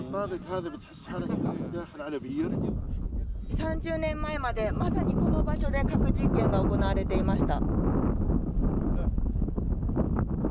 ３０年前まで、まさにこの場所で核実験が行われていました。